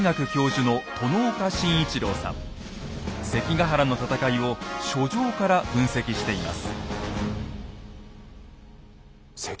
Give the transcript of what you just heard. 関ヶ原の戦いを書状から分析しています。